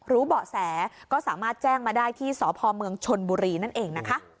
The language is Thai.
เบาะแสก็สามารถแจ้งมาได้ที่สพเมืองชนบุรีนั่นเองนะคะ